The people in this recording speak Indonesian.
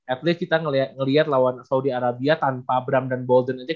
at least kita ngeliat lawan saudi arabia tanpa bram dan bolden aja